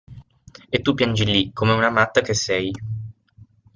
E tu piangi lì come una matta che sei.